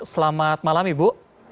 selamat malam ibu